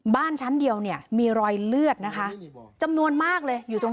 บ้านชั้นเดียวเนี่ยมีรอยเลือดนะคะจำนวนมากเลยอยู่ตรง